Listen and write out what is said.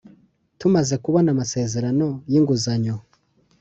Tumaze kubona amasezerano y’inguzanyo